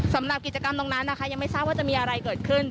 สำหรับกิจกรรมตรงนั้นนะคะยังไม่ทราบว่าจะมีอะไรเกิดขึ้น